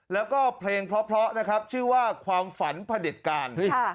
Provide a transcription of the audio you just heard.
และก็เพลงเพราะชื่อว่าความฝันพระเด็ดกาล